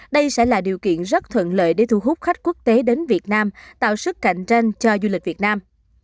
đây sẽ là điều kiện rất thuận lợi để thu hút khách quốc tế đến việt nam tạo sức cạnh tranh cho du lịch việt nam